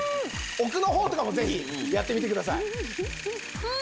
奥の方とかもぜひやってみてください。